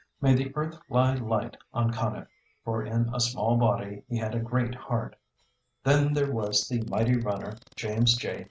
May the earth lie light on Conneff, for in a small body he had a great heart! Then there was the mighty runner, James J.